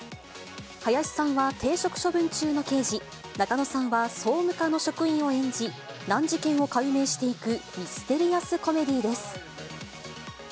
林さんは停職処分中の刑事、仲野さんは総務課の職員を演じ、難事件を解明していくミステリアスコメディーです。